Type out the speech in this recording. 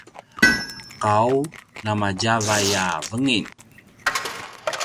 qau na madjavay a vangalj